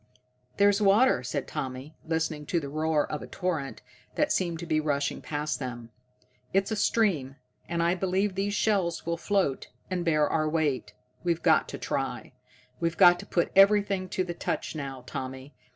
"There's water," said Tommy, listening to the roar of a torrent that seemed to be rushing past them. "It's a stream, and I believe these shells will float and bear our weight. We've got to try. We've got to put everything to the touch now, Tommy.